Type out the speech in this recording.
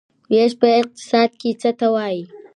ویش په اقتصاد کې څه ته وايي؟